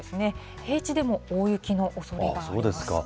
平地でも大雪のおそれがあります。